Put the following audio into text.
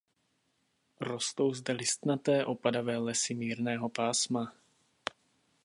Rostou zde listnaté opadavé lesy mírného pásma.